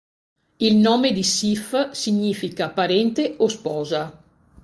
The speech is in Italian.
Il nome di Sif significa: "Parente" o "Sposa".